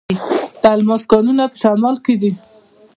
د الماس کانونه په شمال کې دي.